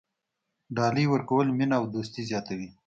ډالۍ ورکول مینه او دوستي زیاتوي.